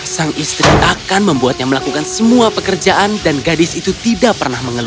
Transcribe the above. sang istri takkan membuatnya melakukan semua pekerjaan dan gadis itu tidak pernah mengeluh